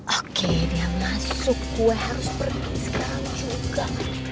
oke dia masuk gue harus pergi sekarang juga